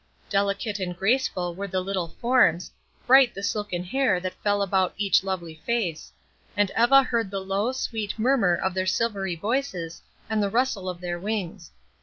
Delicate and graceful were the little forms, bright the silken hair that fell about each lovely face; and Eva heard the low, sweet murmur of their silvery voices and the rustle of their wings.